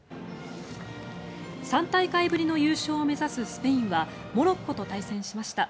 ３大会ぶりの優勝を目指すスペインはモロッコと対戦しました。